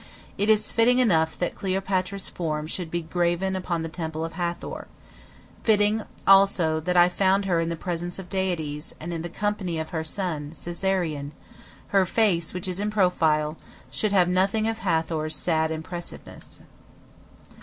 It is fitting enough that Cleopatra's form should be graven upon the temple of Hathor; fitting, also, that though I found her in the presence of deities, and in the company of her son, Caesarion, her face, which is in profile, should have nothing of Hathor's sad impressiveness.